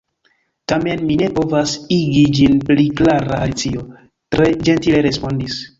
"Tamen mi ne povas igi ĝin pli klara," Alicio tre ĝentile respondis.